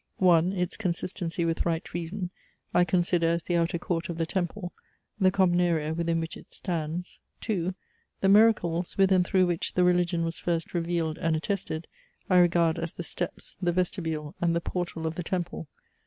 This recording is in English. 1. Its consistency with right Reason, I consider as the outer court of the temple the common area, within which it stands. 2. The miracles, with and through which the Religion was first revealed and attested, I regard as the steps, the vestibule, and the portal of the temple.